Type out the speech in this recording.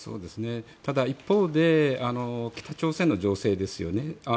ただ、一方で北朝鮮の情勢ですよね。